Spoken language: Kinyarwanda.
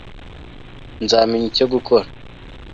nzamenya icyo gukora